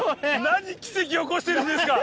何奇跡起こしてるんですか！